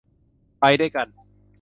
ไปด้วยกัน